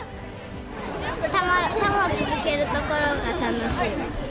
球を続けるところが楽しい。